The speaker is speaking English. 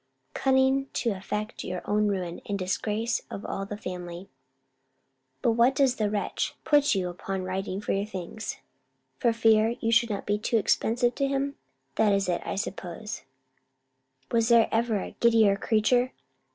Cunning to effect your own ruin, and the disgrace of all the family! But does the wretch put you upon writing for your things, for fear you should be too expensive to him? That's it, I suppose. Was there ever a giddier creature?